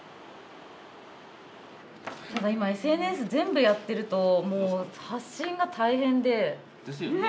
何か今ＳＮＳ全部やってるともう発信が大変で。ですよね。